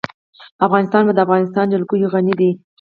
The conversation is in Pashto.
افغانستان په د افغانستان جلکو غني دی.